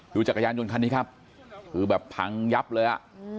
จักรยานยนต์คันนี้ครับคือแบบพังยับเลยอ่ะ